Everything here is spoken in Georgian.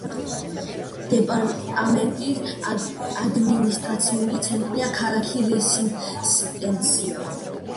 დეპარტამენტის ადმინისტრაციული ცენტრია ქალაქი რესისტენსია.